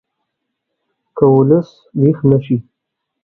که ولس ویښ نه شي